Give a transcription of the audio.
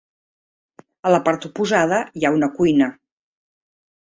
A la part oposada hi ha una cuina.